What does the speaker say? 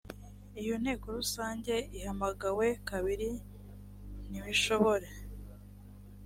iyo inteko rusange ihamagawe kabiri ntishobore